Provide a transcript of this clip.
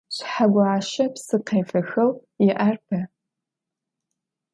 Шъхьэгуащэ псыкъефэхэу иӏэр бэ.